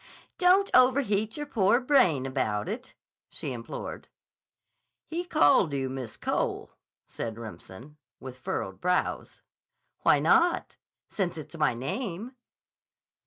"Don't overheat your poor brain about it," she implored. "He called you Miss Cole," said Remsen, with furrowed brows. "Why not, since it's my name?"